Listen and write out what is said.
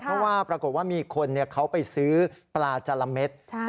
เพราะว่าปรากฏว่ามีคนเขาไปซื้อปลาจาระเม็ด